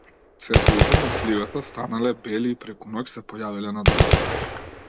Цветовите на сливата станале бели и преку ноќ се појавиле на дрвото.